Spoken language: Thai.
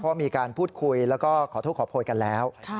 เพราะมีการพูดคุยแล้วก็ขอโทษขอโพยกันแล้ว